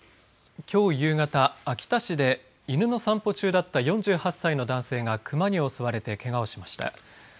きょう夕方秋田市で犬の散歩中だった４８歳の男性が熊に襲われてけがをしました。